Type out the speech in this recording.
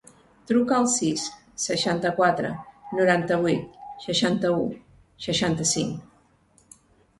Truca al sis, seixanta-quatre, noranta-vuit, seixanta-u, seixanta-cinc.